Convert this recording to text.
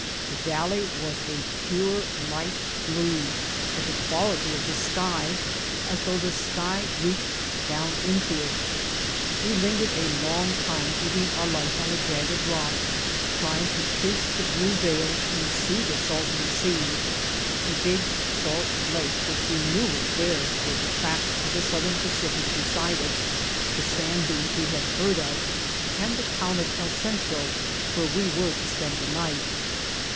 The valley was a pure, light blue, of the quality of the sky, as though the sky reached down into it. We lingered a long time eating our lunch on a jagged rock, trying to pierce the blue veils and see the Salton Sea, a big salt lake which we knew was there with the tracks of the White Heart of Mojave Southern Pacific beside it, the sand dunes we had heard of, and the town of El Centro where we were to spend the night.